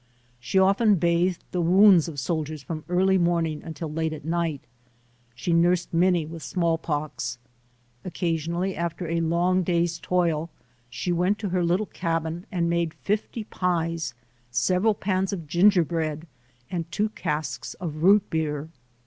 She often bathed the wounds of soldiers from early morning until late at night. She nursed many with smallpox. Occasionally, after a long day's toil, she went to her little cabin and made fifty pies, several pans of ginger bread and two casks of root beer.